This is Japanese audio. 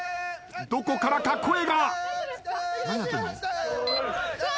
どこからか声が。